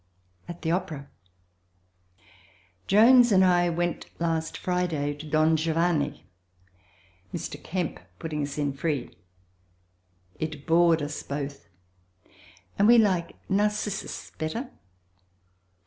At the Opera Jones and I went last Friday to Don Giovanni, Mr. Kemp putting us in free. It bored us both, and we like Narcissus better.